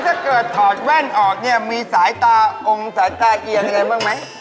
แล้วถ้าเกิดถอดแว่นออกเนี่ยมีสายตาไอ่งสายตาเอียงเข้าใจบ้างไหม